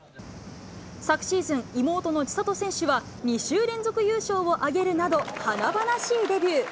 昨シーズン、妹の千怜選手は２週連続優勝を挙げるなど、華々しいデビュー。